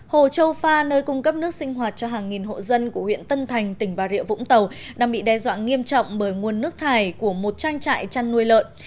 hồ châu pha nơi cung cấp nước sinh hoạt cho hàng nghìn hộ dân của huyện tân thành tỉnh bà rịa vũng tàu đang bị đe dọa nghiêm trọng bởi nguồn nước thải của một trang trại chăn nuôi lợn